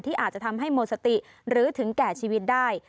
อาจจะทำให้หมดสติหรือถึงแก่ชีวิตได้